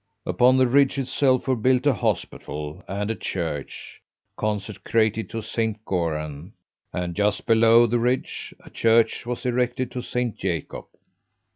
Upon the ridge itself were built a hospital and a church, consecrated to Saint Goran, and just below the ridge a church was erected to Saint Jacob.